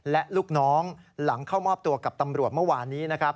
และลูกน้องหลังเข้ามอบตัวกับตำรวจเมื่อวานนี้นะครับ